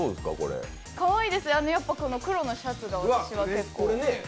かわいいです、やっぱ黒のシャツが私は結構。